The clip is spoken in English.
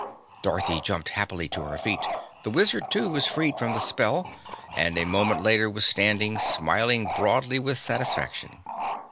Dorothy jumped happily to her feet. The Wizard, too, was freed from the spell, and a moment later was standing, smiling broadly with satisfaction.